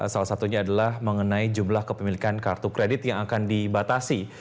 salah satunya adalah mengenai jumlah kepemilikan kartu kredit yang akan dibatasi